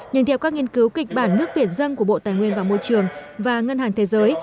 nhưng theo các nghiên cứu kịch bản nước biển dân của bộ tài nguyên và môi trường và ngân hàng thế giới